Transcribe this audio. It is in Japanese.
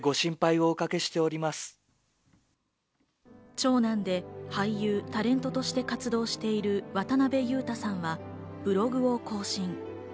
長男で俳優、タレントとして活動している渡辺裕太さんはブログを更新。